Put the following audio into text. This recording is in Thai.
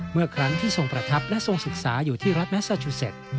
เมื่อครั้งที่ทรงประทับและทรงศึกษาอยู่ที่รัฐแมสซาชูเซ็ต